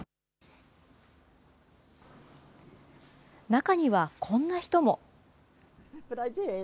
中にはこんな人も。